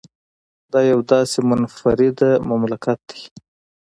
دا یو داسې منفرده مملکت دی